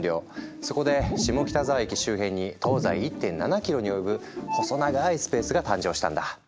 そこで下北沢駅周辺に東西１．７キロに及ぶ細長いスペースが誕生したんだ。